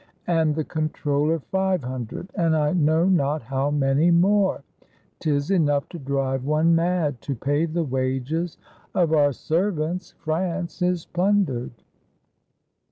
And the controller, five hundred! And I know not how many more! 'T is enough to drive one mad ! To pay the wages of our serv ants, France is plundered.